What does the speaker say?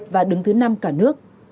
và đứng thứ năm cả nước